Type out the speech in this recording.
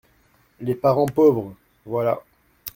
Les parents pauvres… voilà !